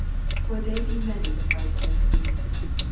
''^For they he many that fight against me.'